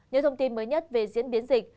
những thông tin mới nhất về diễn biến dịch